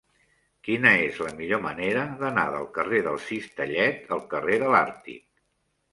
Quina és la millor manera d'anar del carrer del Cistellet al carrer de l'Àrtic?